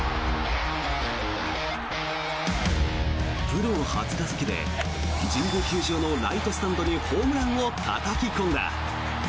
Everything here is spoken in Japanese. プロ初打席で神宮球場のライトスタンドにホームランをたたき込んだ。